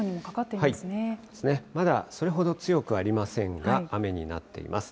まだそれほど強くありませんが、雨になっています。